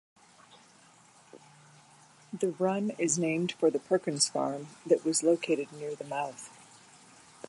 The run is named for the Perkins Farm that was located near the mouth.